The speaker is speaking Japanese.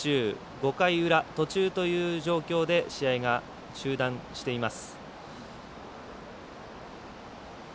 ５回裏、途中という状況で試合が中断しています。